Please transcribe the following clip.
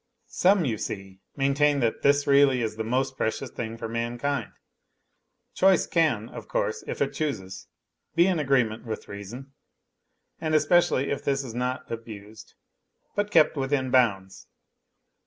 Some, you see, maintain that this really is the most precious thing for mankind ; choice can, of course, if it chooses, be in agreement with reason; and especially if this be not abused but kept within bounds.